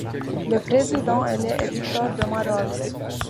Le président élu est Victor de Marolles.